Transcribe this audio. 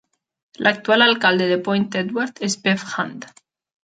L"actual alcalde de Point Edward és Bev Hand.